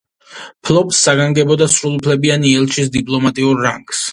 ფლობს საგანგებო და სრულუფლებიანი ელჩის დიპლომატიურ რანგს.